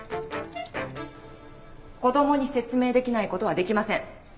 子供に説明できないことはできません。